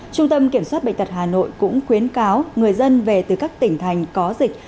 trung tâm kiểm soát bệnh tật hà nội cũng khuyến cáo người dân về từ các tỉnh thành có dịch